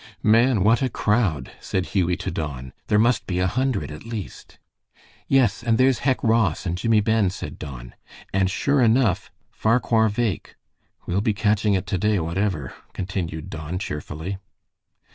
"Man! what a crowd!" said Hughie to Don. "There must be a hundred at least." "Yes, and there's Hec Ross and Jimmie Ben," said Don, "and sure enough, Farquhar Begh. We'll be catching it to day, whatever," continued Don, cheerfully.